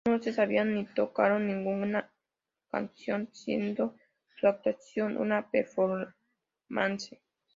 No se sabían ni tocaron ninguna canción, siendo su actuación una "performance".